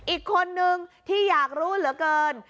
อีกคนนึงที่อยากรู้เหลือเกิน